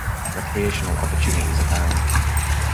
Recreational opportunities abound.